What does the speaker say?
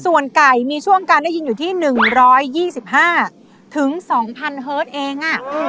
ส่วนไก่มีช่วงการได้ยินอยู่ที่หนึ่งร้อยยี่สิบห้าถึงสองพันเฮิตเองอ่ะอืม